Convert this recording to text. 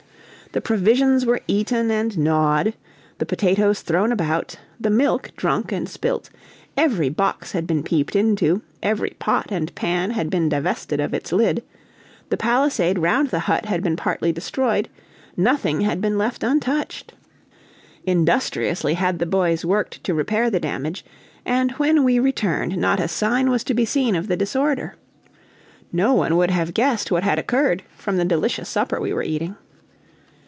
The provisions were eaten and gnawed, the potatoes thrown about, the milk drunk and spilt; every box had been peeped into, every pot and pan had been divested of its lid; the palisade round the hut had been partly destroyed, nothing had been left untouched. Industriously had the boys worked to repair the damage, and when we returned not a sign was to be seen of the disorder. No one would have guessed what had occurred from the delicious supper we were eating.